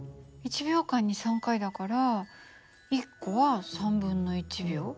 １秒間に３回だから１個は秒？